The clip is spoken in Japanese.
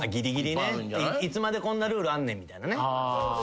いつまでこんなルールあんねんみたいなね。